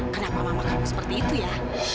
kenapa mama kamu seperti itu ya